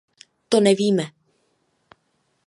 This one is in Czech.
To nevíme.